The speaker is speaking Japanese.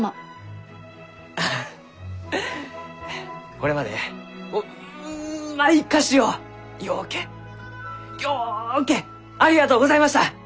これまでうまい菓子をようけようけありがとうございました！